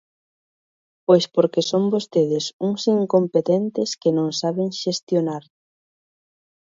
Pois porque son vostedes uns incompetentes que non saben xestionar.